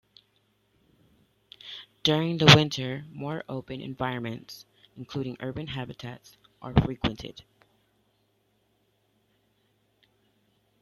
During the winter more open environments, including urban habitats, are frequented.